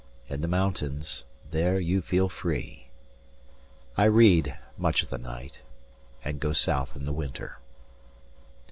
In the mountains, there you feel free. I read, much of the night, and go south in the winter.